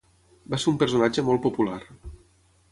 Va ser un personatge molt popular.